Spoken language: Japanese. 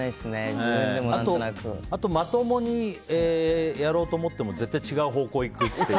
あとはまともにやろうと思っても絶対違う方向に行くっていう。